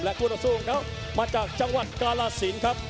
และคู่รักษูงครับมาจากจังหวัดกาลสินครับ